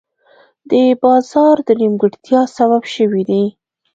د بازار د نیمګړتیا سبب شوي دي.